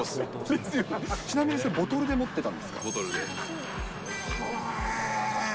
ちなみに、それボトルで持っボトルで。